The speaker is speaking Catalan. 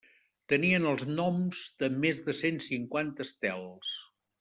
Tenien els noms de més de cent cinquanta estels.